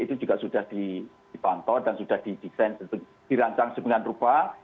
itu juga sudah dipantau dan sudah di desain dirancang sebagian rupa